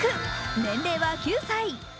年齢は９歳。